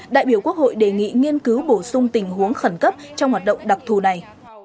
đại biểu quốc hội đề nghị nghiên cứu bổ sung tình huống khẩn cấp trong hoạt động đặc thù này